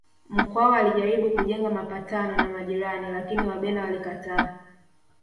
Mkwawa alijaribu kujenga mapatano na majirani lakini Wabena walikataa